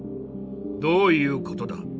どういうことだ？